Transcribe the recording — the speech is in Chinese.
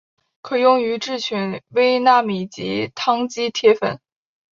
可用于制取微纳米级羰基铁粉。